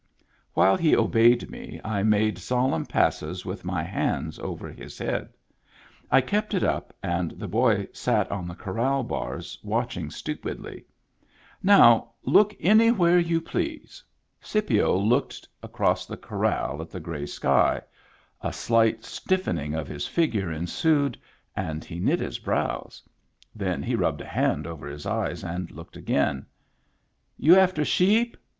While he obeyed me I made solemn passes with my hands over his head. I kept it up, and the boy sat on the corral bars, watching ^' stupidly. " Now look anywhere you please." Digitized by Google 132 MEMBERS OF THE FAMILY Scipio looked across the corral at the gray sky. A slight stiffening of his figure ensued, and he knit his brows. Then he rubbed a hand over his eyes and looked again. " You after sheep?